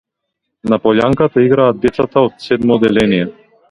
На полјанката играат децата од седмо одделение.